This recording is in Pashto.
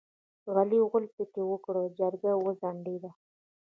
علي غول پکې وکړ؛ جرګه وځنډېده.